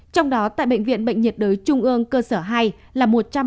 trong đó tại bệnh viện bệnh nhiệt đới trung ương cơ sở hai là một trăm bốn mươi hai ca